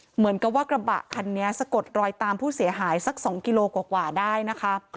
เหมือนกับว่ากระบะคันนี้สะกดรอยตามผู้เสียหายสัก๒กิโลกว่าได้นะคะ